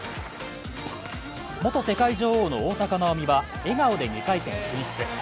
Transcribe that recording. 元世界女王の大坂なおみは笑顔で２回戦進出。